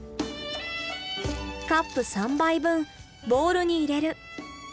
カップ３杯分ボウルに入れる。